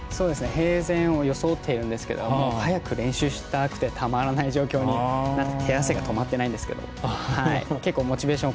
平静を装っているんですが早く練習したくてたまらない状況になって手汗が止まってないんですけど結構、モチベーション